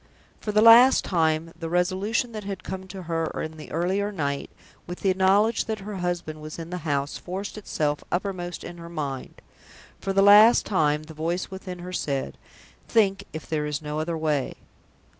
For the last time, the resolution that had come to her in the earlier night, with the knowledge that her husband was in the house, forced itself uppermost in her mind. For the last time, the voice within her said, "Think if there is no other way!"